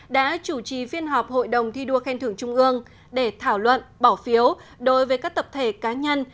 đã chủ trì phiên họp hội đồng thi đua khen thưởng trung ương để thảo luận bỏ phiếu đối với các tập thể cá nhân